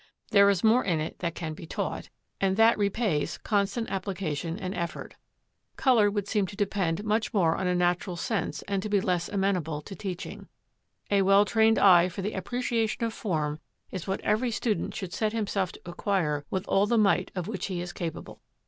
There is more in it that can be taught and that repays constant application and effort. Colour would seem to depend much more on a natural sense and to be less amenable to teaching. A well trained eye for the appreciation of form is what every student should set himself to acquire with all the might of which he is capable.